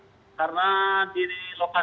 itu memang jaringan komplikasi tidak ada